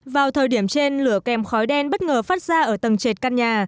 vào thời điểm trên lửa kèm khói đen bất ngờ phát ra ở tầng trệt căn nhà